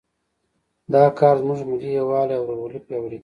دا کار زموږ ملي یووالی او ورورولي پیاوړی کوي